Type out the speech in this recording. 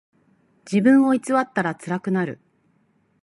自分を偽ったらつらくなる。